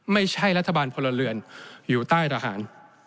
ไม่ใช่รัฐบาลพลเรือนอยู่ใต้ทหาร